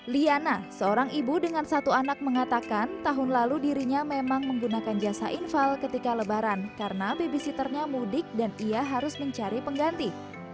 liana seorang ibu dengan satu anak mengatakan tahun lalu dirinya memang menggunakan jasa infal ketika lebaran karena babysitternya mudik dan ia harus mencari pengganti